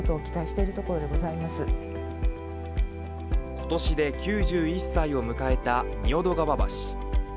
今年で９１歳を迎えた仁淀川橋。